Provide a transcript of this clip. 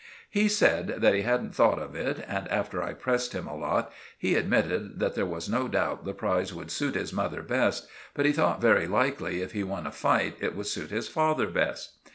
He said that he hadn't thought of it, and after I pressed him a lot, he admitted that there was no doubt the prize would suit his mother best, but he thought very likely if he won a fight it would suit his father best.